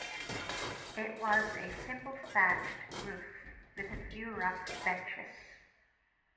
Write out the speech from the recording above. It was a simple thatched roof with a few rough benches.